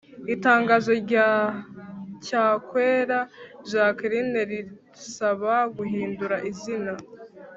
itangazo rya cyakwera jacqueline risaba guhindura izina